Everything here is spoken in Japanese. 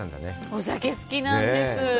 お酒、好きなんです。